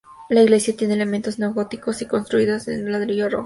La iglesia tiene elementos neo-góticos y fue construida en ladrillo rojo.